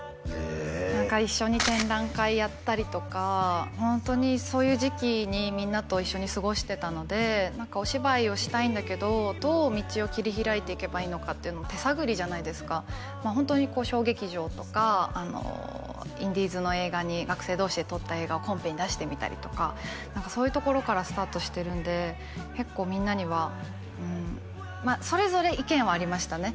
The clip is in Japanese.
一緒に展覧会やったりとかホントにそういう時期にみんなと一緒に過ごしてたのでお芝居をしたいんだけどどう道を切り開いていけばいいのかっていうのは手探りじゃないですかホントに小劇場とかインディーズの映画に学生同士で撮った映画をコンペに出してみたりとかそういうところからスタートしてるんで結構みんなにはうんまあそれぞれ意見はありましたね